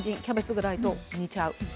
キャベツぐらいと煮ちゃう。